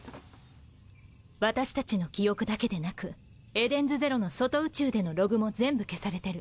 私たちの記憶だけでなくエデンズゼロの外宇宙でのログも全部消されてる。